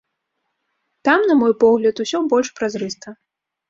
Там, на мой погляд, усё больш празрыста.